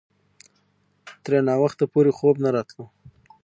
ترې ناوخته پورې خوب نه راتلو.